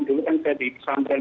dulu kan saya di pesantren